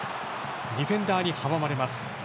ディフェンダーに阻まれます。